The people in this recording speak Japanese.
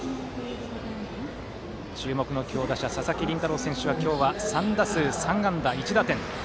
注目の強打者佐々木麟太郎選手は今日は３打数３安打１打点。